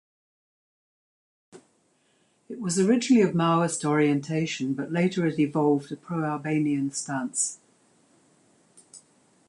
It was originally of Maoist orientation, but later it evolved a pro-Albanian stance.